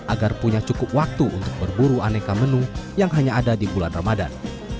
agar punya cukup waktu untuk berburu aneka menu yang hanya ada di bulan ramadan